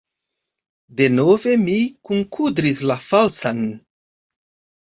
Denove mi kunkudris la falsan!